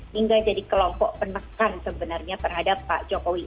hingga jadi kelompok penekan sebenarnya terhadap pak jokowi